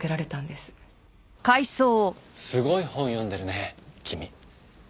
すごい本読んでるね君。